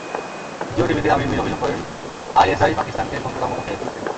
জিয়ো টিভিতে আমির মির অভিযোগ করেন, আইএসআই পাকিস্তানকে ঘুণপোকার মতো খেয়ে ফেলছে।